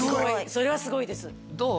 それはすごいです「どう？